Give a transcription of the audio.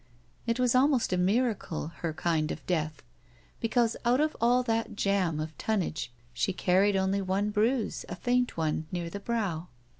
It was almost a miracle, her kind of death, because out of all that jam of tonnage she carried only one bruise, a faint one, near the brow.